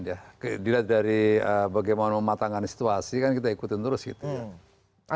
ya dilihat dari bagaimana mematangani situasi kan kita ikutin terus gitu ya